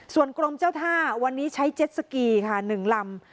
ส่วนกรมเจ้าท่าวันนี้ใช้เจ็ดสกีค่ะ๑ลำ